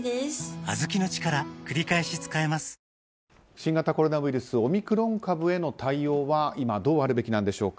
新型コロナウイルスオミクロン株への対応は今、どうあるべきなんでしょうか。